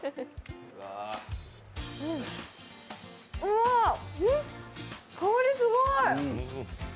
わ、香りすごーい。